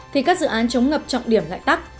thì các dự án chống ngập trọng điểm lại tắc